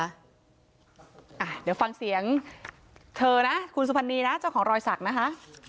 เดี๋ยวฟังเสียงเธอนะคุณสุพรรณีนะเจ้าของรอยสักนะคะ